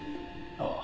ああ。